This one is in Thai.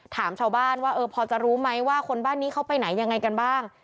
ถามชาวบ้านว่าพอจะรู้ไหมว่าคนบ้านนี้เขาไปไหนยังไงกันบ้าง